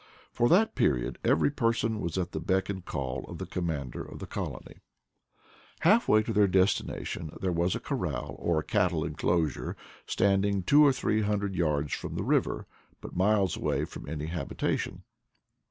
For, at that period, every person was at the beck and call of the commander of the colony. Half way to their destination there was a corral, or cattle enclosure, standing two or three hundred yards from the river, but miles away from any habitation.